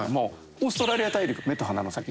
オーストラリア大陸目と鼻の先ですよね。